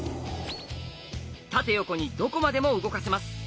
縦横にどこまでも動かせます。